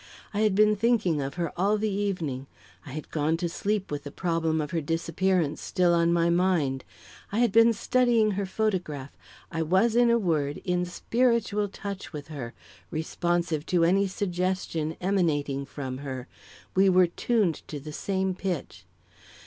I had been thinking of her all the evening; I had gone to sleep with the problem of her disappearance still on my mind; I had been studying her photograph I was, in a word, in spiritual touch with her, responsive to any suggestion emanating from her we were tuned to the same pitch.